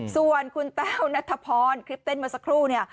ส่วนคุณแต้วนัทพรคลิปเต้นเมื่อสักครู่เนี่ย